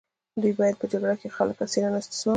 دوی باید په جګړه کې خلک اسیران او استثمار کړي.